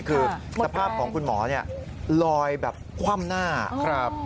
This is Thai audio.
คือสภาพของคุณหมอเนี่ยลอยแบบคว่ำหน้าครับ